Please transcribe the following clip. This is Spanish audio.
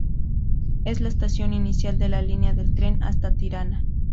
Es la estación inicial de la línea de tren hasta Tirana.